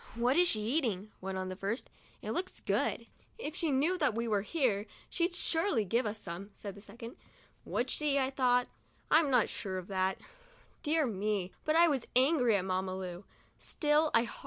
What is she eating?" went on the first; "it looks good." 37 THE DIARY OF A BIRTHDAY DOLL " If she knew that we were here, she'd surely give us some," said the second. "Would she?" I thought. "I'm not so sure of that." Dear me, but I was angry at Mamma Lu